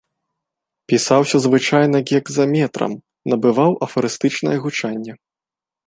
Пісаўся звычайна гекзаметрам, набываў афарыстычнае гучанне.